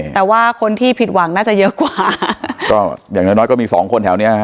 แต่ว่าคนที่ผิดหวังน่าจะเยอะกว่าอย่างน้อยก็มี๒คนแถวนี้ค่ะ